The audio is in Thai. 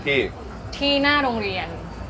ที่หน้าโรงเรียน